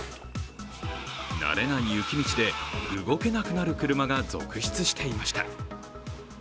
慣れない雪道で動けなくなる車が続出していました。